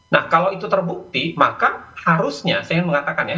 nah kalau itu terbukti maka harusnya saya ingin mengatakan ya